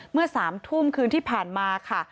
เมื่อ๓ทุ่มคืนที่ผ่านมาค่ะ